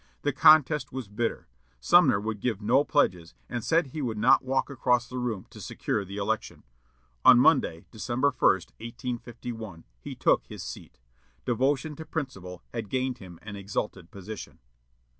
The contest was bitter. Sumner would give no pledges, and said he would not walk across the room to secure the election. On Monday, December 1, 1851, he took his seat. Devotion to principle had gained him an exalted position.